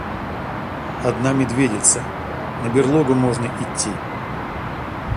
Одна медведица, на берлогу можно итти.